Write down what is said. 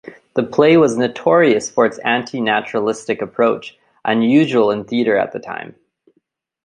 The play was notorious for its anti-naturalistic approach, unusual in theatre at the time.